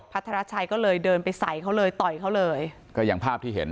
พระธรชัยก็เลยเดินไปใส่เขาเลยต่อยเขาเลยก็อย่างภาพที่เห็น